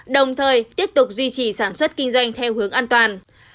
đồng thời tiếp tục duy trì sản xuất kinh doanh theo hướng an toàn